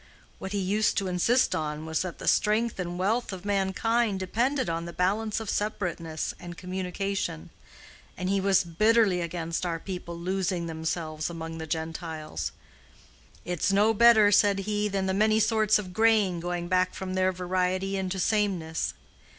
What he used to insist on was that the strength and wealth of mankind depended on the balance of separateness and communication, and he was bitterly against our people losing themselves among the Gentiles; 'It's no better,' said he, 'than the many sorts of grain going back from their variety into sameness.